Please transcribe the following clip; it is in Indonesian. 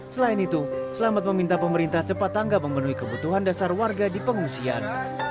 selain itu selamat meminta pemerintah cepat tanggap memenuhi kebutuhan dasar warga di pengungsian